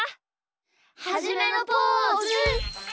はじめのポーズ！